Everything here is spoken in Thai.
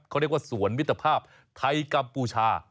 เขาเรียกว่าสวนมิตรภาพไทยกัมพูชา